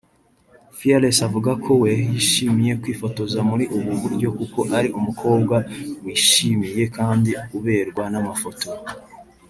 Fearless avuga ko we yishimiye kwifotoza muri ubu buryo kuko ari umukobwa wishimiye kandi uberwa n'amafoto